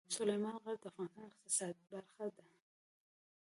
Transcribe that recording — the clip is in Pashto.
سلیمان غر د افغانستان د اقتصاد برخه ده.